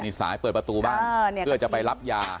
มีสายเปิดประตูบ้านเพื่อจะไปรับยา